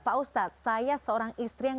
pak ustadz saya seorang istri yang